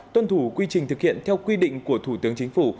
tuân thủ quy trình thực hiện theo quy định của thủ tướng chính phủ